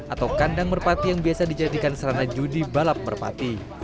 atau kandang merpati yang biasa dijadikan sarana judi balap merpati